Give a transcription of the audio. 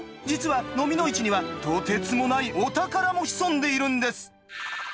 実はノミの市にはとてつもないお宝も潜んでいるんです。